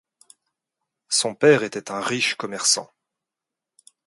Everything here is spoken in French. Son père était un riche commerçant.